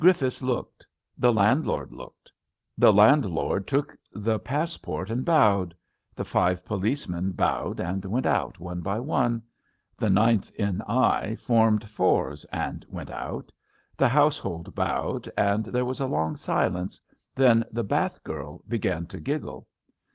Griffiths looked. The landlord looked. The landlord took the passport and bowed. The five policemen bowed and went out one by one; the 9th N. I. formed fours and went out; the house hold bowed, and there was a long silence. Then the bath girl began to giggle.